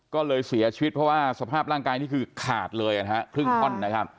ก็เลยเสียชีวิตเพราะว่าสภาพร่างกายนี้คือขาดเลยครึ่งอ้อน